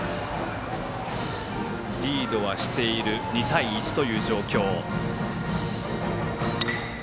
リードはしている２対１という状況。